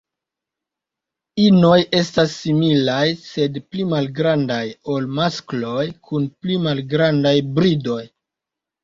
Inoj estas similaj, sed pli malgrandaj ol maskloj kun pli malgrandaj bridoj.